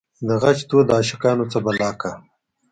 دغچ دود دعاشقانو څه بلا کا